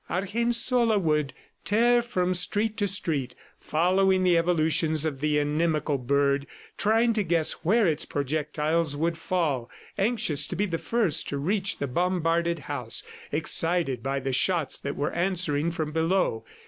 Argensola would tear from street to street following the evolutions of the inimical bird, trying to guess where its projectiles would fall, anxious to be the first to reach the bombarded house, excited by the shots that were answering from below.